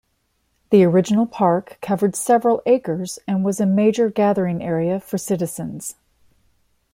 The original park covered several acres and was a major gathering area for citizens.